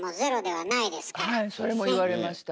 はいそれも言われました。